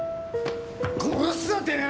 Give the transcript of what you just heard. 殺すぞてめえ！！